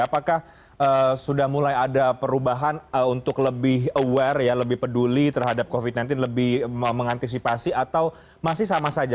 apakah sudah mulai ada perubahan untuk lebih aware ya lebih peduli terhadap covid sembilan belas lebih mengantisipasi atau masih sama saja